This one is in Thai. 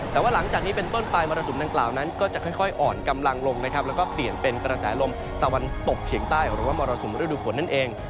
แต่ว่าหลังจากนี้เป็นต้นไปมรสุมดังกล่าวนั้นก็จะค่อยอ่อนกำลังลงนะครับแล้วก็เปลี่ยนเป็นกระแสลมตะวันตกเฉียงใต้หรือว่ามรสุมฤดูฝนนั่นเอง